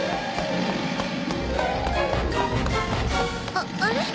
ああれ？